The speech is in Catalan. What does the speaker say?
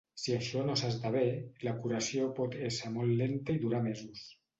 Si això no s'esdevé, la curació pot ésser molt lenta i durar mesos.